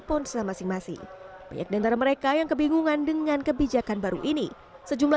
ponsel masing masing banyak diantara mereka yang kebingungan dengan kebijakan baru ini sejumlah